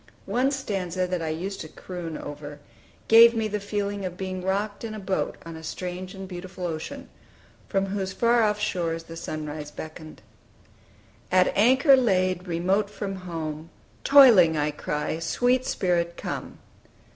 One stanza that I used to croon over, gave me the feeling of being rocked in a boat on a strange and beautiful ocean, from whose far off shores the sunrise beckoned: "At anchor laid, remote from home, Toiling I cry, Sweet Spirit, come!